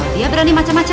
dia berani macam macam